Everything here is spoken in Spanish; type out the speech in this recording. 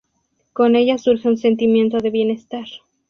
Con ella surge un sentimiento de bienestar.